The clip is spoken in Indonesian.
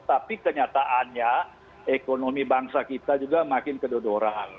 tapi kenyataannya ekonomi bangsa kita juga makin kedua dua orang